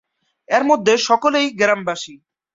এর মধ্যে সকলেই গ্রামবাসী।